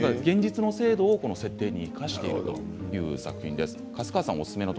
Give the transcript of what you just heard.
現実の制度を設定に生かしているという作品です。